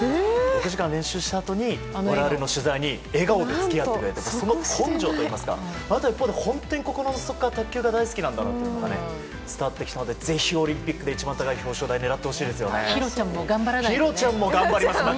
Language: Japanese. ６時間練習したあとに我々の取材に笑顔で付き合ってくれたというその根性といいますかあと一方で本当に心から卓球が大好きなんだろうというのが伝わってきたのでぜひオリンピックで一番高い表彰台を弘ちゃんも頑張らないとね。